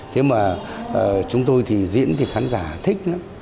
thế mà chúng tôi thì diễn thì khán giả thích lắm